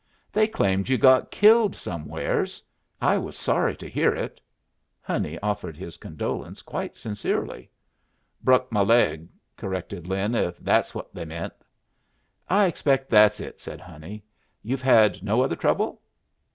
"They claimed you got killed somewheres. I was sorry to hear it." Honey offered his condolence quite sincerely. "Bruck my leg," corrected Lin, "if that's what they meant." "I expect that's it," said Honey. "You've had no other trouble?"